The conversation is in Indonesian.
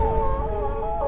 jangan sampai nahan